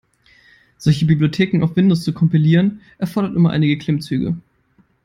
Solche Bibliotheken auf Windows zu kompilieren erfordert immer einige Klimmzüge.